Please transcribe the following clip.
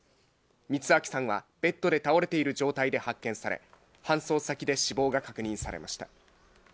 光昭さんはベッドで倒れている状態で発見され、搬送先で死亡が確認されました。